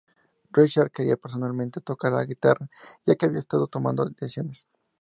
Richards quería personalmente tocar la guitarra ya que había estado tomando lecciones.